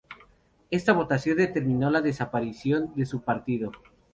Esta votación determinó la desaparición de su partido.